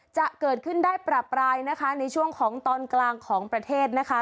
จะเกิดขึ้นได้ประปรายนะคะในช่วงของตอนกลางของประเทศนะคะ